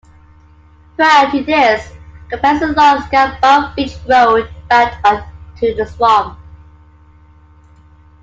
Prior to this, companies along Scarborough Beach Road backed on to the swamp.